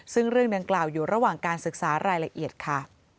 ซึ่งเรื่องดังกล่าวอยู่ระหว่างการศึกษารายละเอียดค่ะ